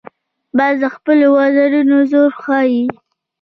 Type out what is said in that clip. باز د خپلو وزرونو زور ښيي